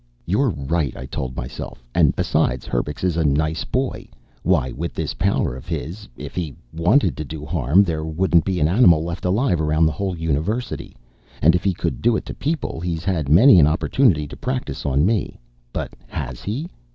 "'You're right,' I told myself. 'And besides, Herbux is a nice boy. Why, with this power of his if he wanted to do harm there wouldn't be an animal left alive around the whole University. And if he could do it to people he's had many an opportunity to practice on me. But has he?